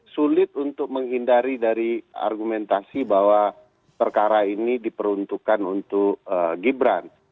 sulit untuk menghindari dari argumentasi bahwa perkara ini diperuntukkan untuk gibran